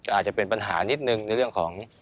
อาจจะเป็นปัญหานิดนึงในเรื่องของ